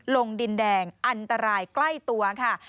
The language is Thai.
ลงดินแดงอันตรายใกล้ตัวค่ะ